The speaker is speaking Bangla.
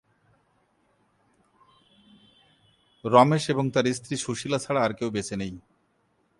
রমেশ এবং তার স্ত্রী সুশীলা ছাড়া কেউ বেঁচে নেই।